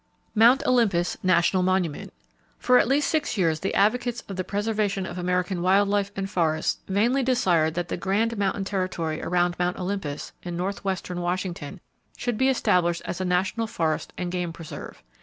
Mt. Olympus National Monument. —For at least six years the advocates of the preservation of American wild life and forests vainly desired that the grand mountain territory around Mount Olympus, in northwestern Washington, should be established as a national forest and game preserve.